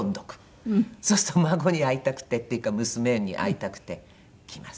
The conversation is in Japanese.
そうすると孫に会いたくてっていうか娘に会いたくて来ます。